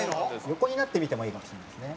横になってみてもいいかもしれないですね。